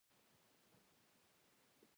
بلکې درې غږه يو ځای شوي وو.